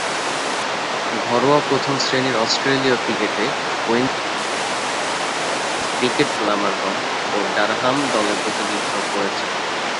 ঘরোয়া প্রথম-শ্রেণীর অস্ট্রেলীয় ক্রিকেটে কুইন্সল্যান্ড এবং ইংরেজ কাউন্টি ক্রিকেটে গ্ল্যামারগন ও ডারহাম দলের প্রতিনিধিত্ব করেছেন।